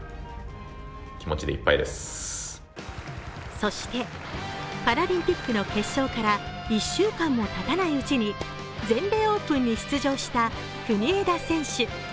そしてパラリンピックの決勝から１週間もたたないうちに全米オープンに出場した国枝選手。